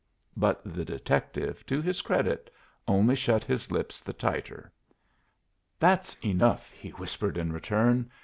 But the detective, to his credit, only shut his lips the tighter. "That's enough," he whispered, in return.